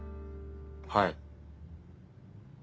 はい。